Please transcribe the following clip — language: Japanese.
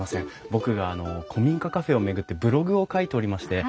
僕があの古民家カフェを巡ってブログを書いておりまして。